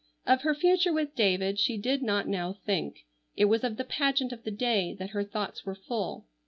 Of her future with David she did not now think. It was of the pageant of the day that her thoughts were full.